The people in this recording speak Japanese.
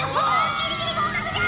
ギリギリ合格じゃ！